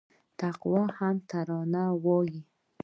تقوا هم ترانه وايي